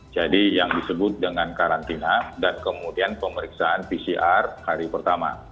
jadi yang disebut dengan karantina dan kemudian pemeriksaan pcr hari pertama